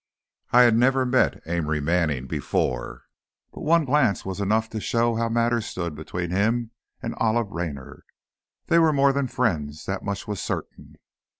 I had never met Amory Manning before, but one glance was enough to show how matters stood between him and Olive Raynor. They were more than friends, that much was certain.